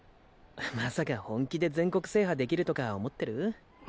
まさか本気で全国制覇できるとか思ってる？